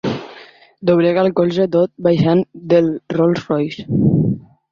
Doblega el colze tot baixant del Rolls Royce.